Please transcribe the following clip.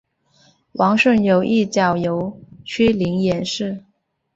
王顺友一角由邱林饰演。